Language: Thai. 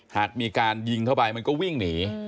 หากมีการยิงเข้าไปมันก็วิ่งหนี